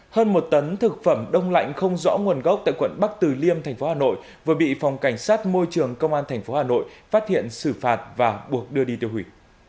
hơn một tấn thực phẩm đông lạnh không rõ nguồn gốc tại quận bắc từ liêm thành phố hà nội vừa bị phòng cảnh sát môi trường công an tp hà nội phát hiện xử phạt và buộc đưa đi tiêu hủy